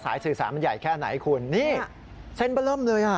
สายสื่อสารมันใหญ่แค่ไหนคุณนี่เส้นไปเริ่มเลย